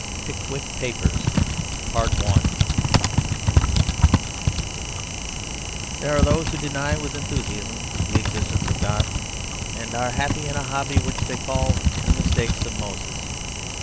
PICKWICK PAPERS There are those who deny with enthusiasm the existence of a God and are happy in a hobby which they call the Mistakes of Moses.